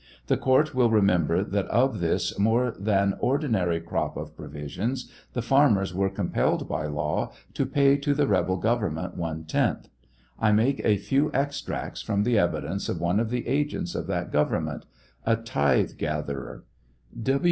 The court will remember that of this " more than ordinary crop of provisions" the farmers were compelled by law to pay to the rebel government one tenth. I make a few extracts from the evidence of one of the agents of that government — a tithe gatherer.